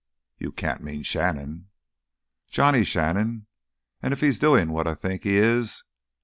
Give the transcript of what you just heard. "You can't mean Shannon!" "Johnny Shannon. And if he's doing what I think he is...."